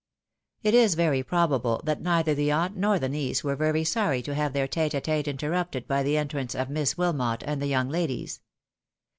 It is very probable that neither the aunt nor the niece were very sorry to have their tete a tete interrupted by the entrance of Miss Wilmot and the young ladies.